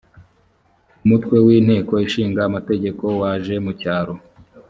umutwe w’inteko ishinga amategeko waje mu cyaro